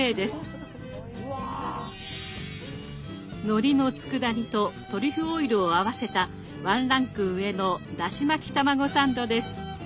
のりの佃煮とトリュフオイルを合わせたワンランク上のだし巻き卵サンドです。